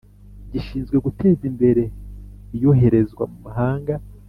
gishinzwe Guteza Imbere Iyoherezwa mu Mahanga